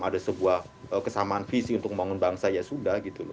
ada sebuah kesamaan visi untuk membangun bangsa ya sudah gitu loh